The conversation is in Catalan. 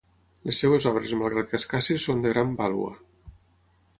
Les seves obres malgrat que escasses, són de gran vàlua.